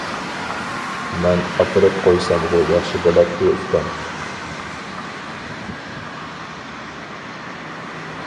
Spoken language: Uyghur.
-مەن ئاپىرىپ قويسامغۇ ياخشى بولاتتى ئۇكام.